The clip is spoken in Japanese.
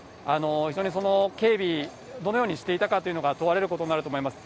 非常に警備、どのようにしていたかというのが問われることになると思います。